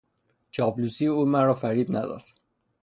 چاپلوسی او مرا فریب نداد.